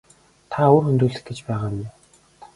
Та үр хөндүүлэх гэж байгаа юм уу?